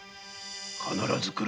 必ず来る。